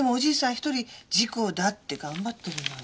一人事故だって頑張ってるのよ。